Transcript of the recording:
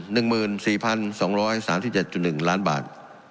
หนึ่งหมื่นสี่พันสองร้อยสามสิบเจ็ดจุดหนึ่งล้านบาท